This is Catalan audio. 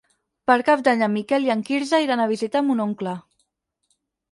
Per Cap d'Any en Miquel i en Quirze iran a visitar mon oncle.